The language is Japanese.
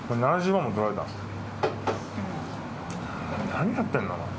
何やってんだお前